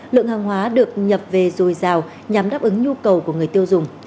lượng hàng hóa được nhập về dồi dào nhằm đáp ứng nhu cầu của người tiêu dùng